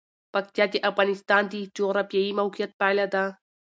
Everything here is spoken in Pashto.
پکتیا د افغانستان د جغرافیایي موقیعت پایله ده.